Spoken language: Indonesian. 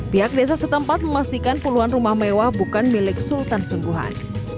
pihak desa setempat memastikan puluhan rumah mewah bukan milik sultan sungguhan